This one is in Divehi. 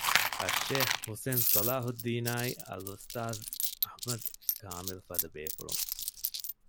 އައްޝައިޚް ޙުސައިން ޞަލާޙުއްދީނާއި އަލްއުސްތާޛް އަޙްމަދު ކާމިލުފަދަ ބޭފުޅުން